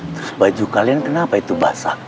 terus baju kalian kenapa itu basah